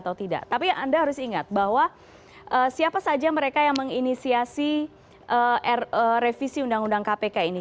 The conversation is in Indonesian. tapi anda harus ingat bahwa siapa saja mereka yang menginisiasi revisi undang undang kpk ini